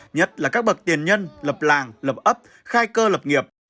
nhất là các bậc tiền nhân lập làng lập ấp khai cơ lập nghiệp